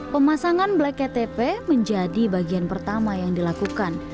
pemasangan black ktp menjadi bagian pertama yang dilakukan